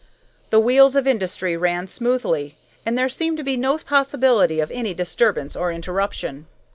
The wheels of industry ran smoothly, and there seemed to be no possibility of any disturbance or interruption.